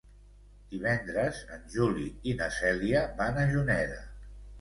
Divendres en Juli i na Cèlia van a Juneda.